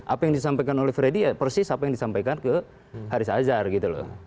apa yang disampaikan oleh freddy ya persis apa yang disampaikan ke haris azhar gitu loh